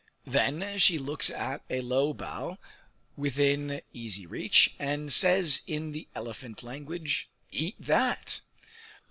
Then she looks at a low bough within easy reach, and says in the elephant language, "Eat that!"